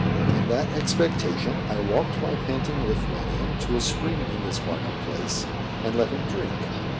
In that expectation I walked my panting Lithuanian to a spring in this market place, and let him drink.